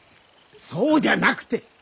そうじゃなくて。